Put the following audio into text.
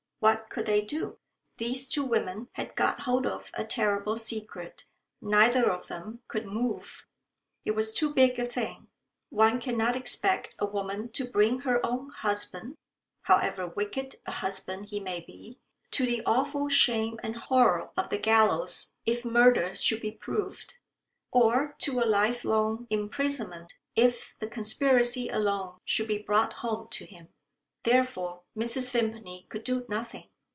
What could they do? These two women had got hold of a terrible secret. Neither of them could move. It was too big a thing. One cannot expect a woman to bring her own husband however wicked a husband he may be to the awful shame and horror of the gallows if murder should be proved or to a lifelong imprisonment if the conspiracy alone should be brought home to him. Therefore Mrs. Vimpany could do nothing.